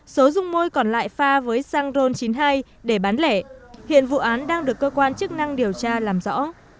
số dung môi còn lại pha với xăng ron chín mươi hai để bán lẻ hiện vụ án đang được cơ quan chức năng điều tra làm rõ